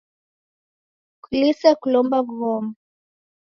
Kulise kulomba w'ughoma.